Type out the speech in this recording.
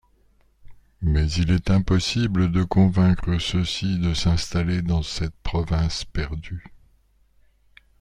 Mais il est impossible de convaincre ceux-ci de s'installer dans cette province perdue.